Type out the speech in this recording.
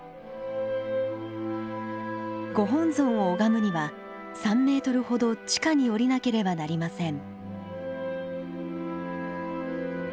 ご本尊を拝むには３ｍほど地下に降りなければなりません。